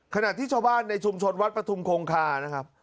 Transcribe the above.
ขณะที่ชาวบ้านในชุมชนวัดประทุมคงคานะครับ